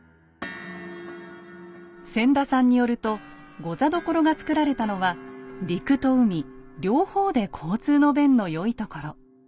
千田さんによると御座所が造られたのは陸と海両方で交通の便の良いところ。